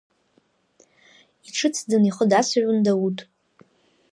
Иҿыцӡан ихы дацәажәон Дауҭ.